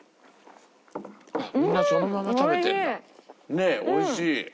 ねっおいしい！